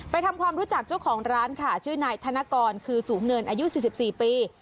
ทำความรู้จักเจ้าของร้านค่ะชื่อนายธนกรคือสูงเนินอายุ๔๔ปี